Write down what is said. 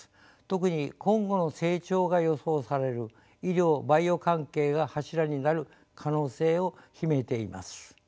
特に今後の成長が予想される医療・バイオ関係が柱になる可能性を秘めています。